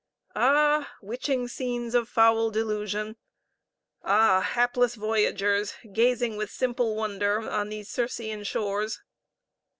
Ah! witching scenes of foul delusion! Ah! hapless voyagers, gazing with simple wonder on these Circean shores!